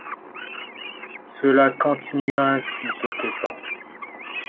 Cela continua ainsi quelque temps.